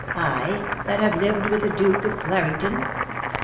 — I, that have lived with the Duke of Clarington